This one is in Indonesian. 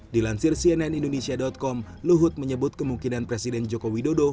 dilansir cnn indonesia com luhut menyebut kemungkinan presiden joko widodo